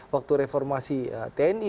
waktu reformasi tni